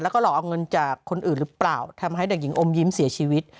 แล้วก็หลอกเอาเงินจากคนอื่นหรือเปล่าทำให้เด็กหญิงอมยิ้มเสียชีวิต